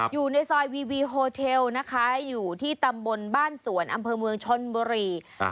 อยู่ในซอยวีวีโฮเทลนะคะอยู่ที่ตำบลบ้านสวนอำเภอเมืองชนบุรี